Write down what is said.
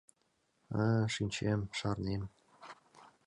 А-а... шинчем, шарнем...